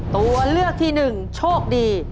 ตัวเลือกที่หนึ่งโชคดี